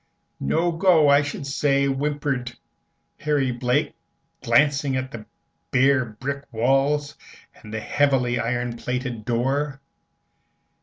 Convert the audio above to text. "No go, I should say," whimpered Harry Blake, glancing at the bare brick walls and the heavy ironplated door.